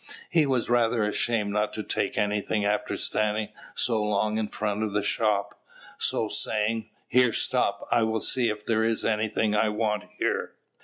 He was rather ashamed not to take anything after standing so long in front of the shop; so saying, "Here, stop! I will see if there is anything I want here!"